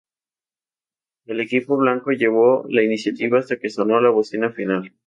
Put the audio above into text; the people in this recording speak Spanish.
El equipo blanco llevó la iniciativa hasta que sonó la bocina final.